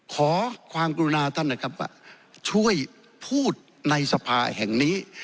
ขอความกรุณาท่านนะครับว่าช่วยพูดในสภาแห่งนี้